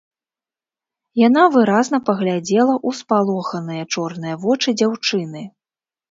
Яна выразна паглядзела у спалоханыя чорныя вочы дзяўчыны